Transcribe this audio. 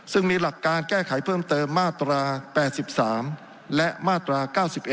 ซึ่งมีหลักการแก้ไขเพิ่มเติมมาตรา๘๓และมาตรา๙๑